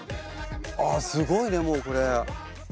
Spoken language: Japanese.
ああすごいねもうこれ。